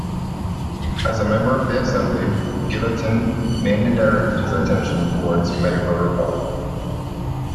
As a member of the assembly, Guillotin mainly directed his attention towards medical reform.